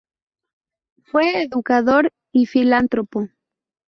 Fue educador y filántropo.